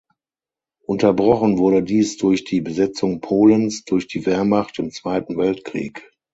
Unterbrochen wurde dies durch die Besetzung Polens durch die Wehrmacht im Zweiten Weltkrieg.